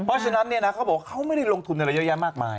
เพราะฉะนั้นเนี่ยนะเขาบอกว่าเขาไม่ได้ลงทุนอะไรเยอะแยะมากมาย